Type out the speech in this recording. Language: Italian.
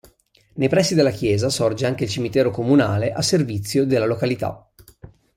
Nei pressi della chiesa sorge anche il cimitero comunale a servizio della località.